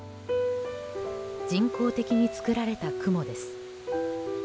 人工的に作られた雲です。